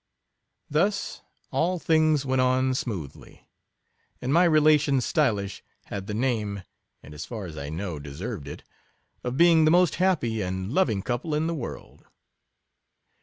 Thus, all things went on smoothly; and my relations Stylish had the name, and, as far as I know, deserved it, of being the most happy and loving couple in the world.